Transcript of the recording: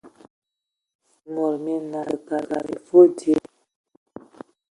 Mod minal, tə kad e foe dzie.